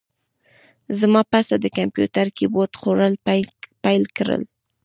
زما پسه د کمپیوتر کیبورډ خوړل پیل کړل.